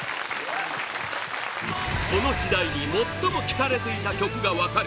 その時代に最も聴かれていた曲が分かる